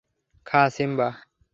খা, সিম্বা!